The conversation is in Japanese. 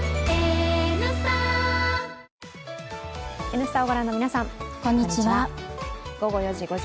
「Ｎスタ」をご覧の皆さん、こんにちは。